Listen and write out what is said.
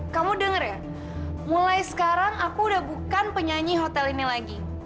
kamu denger ya mulai sekarang aku udah bukan penyanyi hotel ini lagi